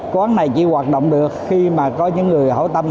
quán này chỉ hoạt động được khi mà có những người hậu tâm